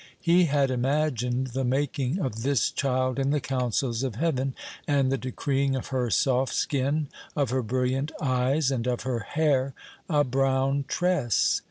He had imagined the making of this child in the counsels of Heaven, and the decreeing of her soft skin, of her brilliant eyes, and of her hair "a brown tress."